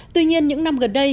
tuy nhiên những năm gần đây